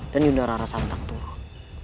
dan yudharara akan menang